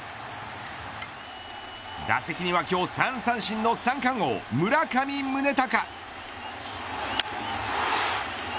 打席には３三振の三冠王村上宗隆。